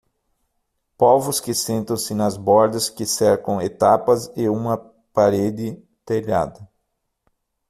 Povos que sentam-se nas bordas que cercam etapas e uma parede telhada.